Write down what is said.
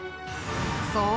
そう。